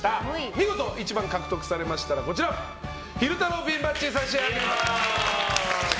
見事１番を獲得されましたら昼太郎ピンバッジを差し上げます。